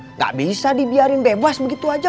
tidak bisa dibiarkan bebas begitu saja